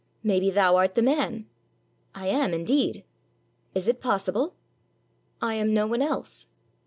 Maybe thou art the man !" "I am, indeed." "Is it possible?" "I am no one else."